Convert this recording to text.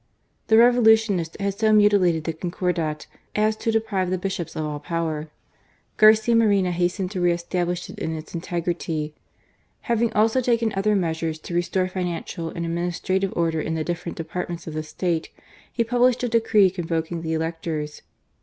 The Revolutionists had ao4 GARCIA MORENO. ( sio mutilated the Concordat as to deprive the bi^ops of aU power. Garcia Moreno hastened to re ^aUish it in its integrity. Having also taken other measures to restore financial and administra* tive order in the different departments of the State, he published a decree convoking the electors.